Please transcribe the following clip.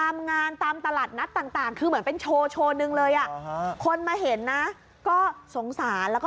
มาเทแล้ว